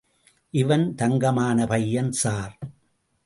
இவன் தங்கமான பையன் சார்.